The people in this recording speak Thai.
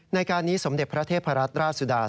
ในการนี้สมเด็จพระเทพรัตนราชสุดา